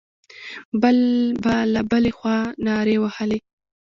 بل به له بلې خوا نارې وهلې.